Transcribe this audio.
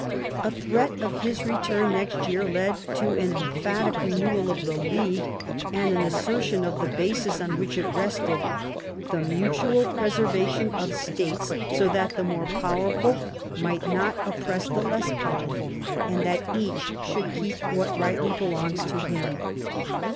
A threat of his return next year led to an emphatic renewal of the League and an asser^on of the basis on which it rested —" the mutual presta tion of states, so that the more powerful might/ not I THE STATE OF EUROPE 7 oppress the less powerful, and that each should keep what rightly belongs to him."